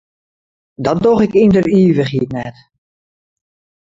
Dat doch ik yn der ivichheid net.